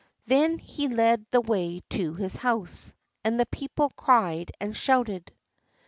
Then he led the way to his house; and the people cried and shouted.